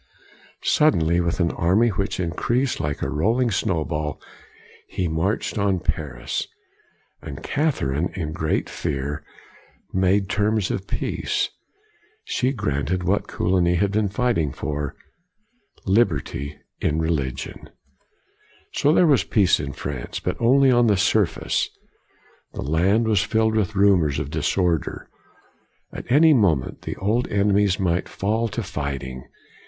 1 Suddenly, with an army which increased like a rolling snow ball, he marched on Paris. And Cath erine, in great fear, made terms of peace. She granted what Coligny had been fight ing for, liberty in religion. So there was peace in France, but only on the surface. The land was filled with rumors of disorder. At any moment, the old enemies might fall to fighting.